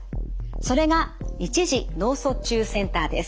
それが一次脳卒中センターです。